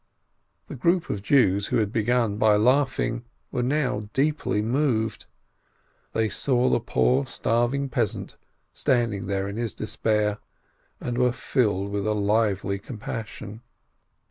The group of Jews, who had begun by laughing, were now deeply moved. They saw the poor, starving peasant standing there in his despair, and were filled with a lively compassion.